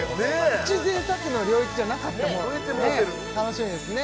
プチ贅沢の領域じゃなかったもう超えてもうてる楽しみですね